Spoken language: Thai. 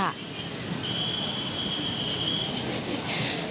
อำนวยความสะดวกค่ะ